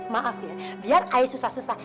maaf ya biar ayah susah susah